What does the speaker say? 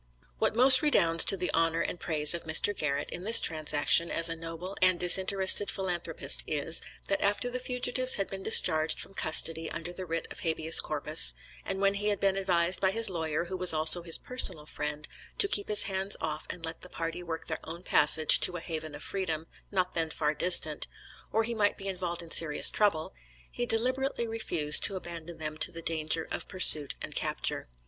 What most redounds to the honor and praise of Mr. Garrett, in this transaction, as a noble and disinterested philanthropist is, that after the fugitives had been discharged from custody under the writ of habeas corpus, and when he had been advised by his lawyer, who was also his personal friend, to keep his hands off and let the party work their own passage to a haven of freedom, not then far distant, or he might be involved in serious trouble, he deliberately refused to abandon them to the danger of pursuit and capture.